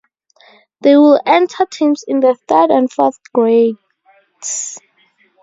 They would enter teams in the third and fourth grades.